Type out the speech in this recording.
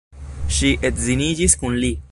Ŝi edziniĝis kun li.